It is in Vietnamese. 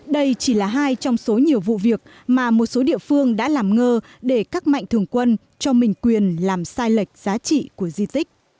đây chỉ là hai trong số nhiều vụ việc mà một số địa phương đã làm ngơ để các mạnh thường quân cho mình quyền làm sai lệch giá trị của di tích